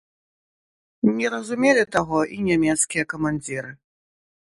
Не разумелі таго і нямецкія камандзіры.